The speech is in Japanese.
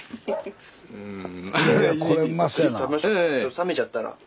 冷めちゃったら。